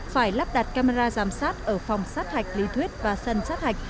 phải lắp đặt camera giám sát ở phòng sát hạch lý thuyết và sân sát hạch